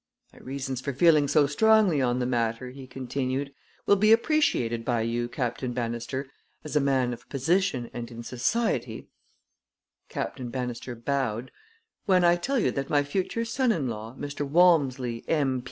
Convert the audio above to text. "My reasons for feeling so strongly on the matter," he continued, "will be appreciated by you, Captain Bannister, as a man of position and in society" Captain Bannister bowed "when I tell you that my future son in law, Mr. Walmsley, M.